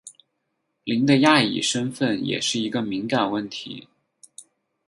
林的亚裔身份也是一个敏感问题。